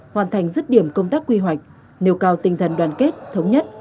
hoàn thành dứt điểm công tác quy hoạch nêu cao tinh thần đoàn kết thống nhất